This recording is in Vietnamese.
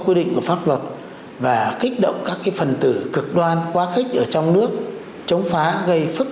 quy định của pháp luật và kích động các phần tử cực đoan quá khích ở trong nước chống phá gây phức